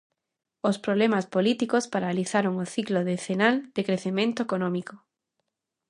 Os problemas políticos paralizaron o ciclo decenal de crecemento económico.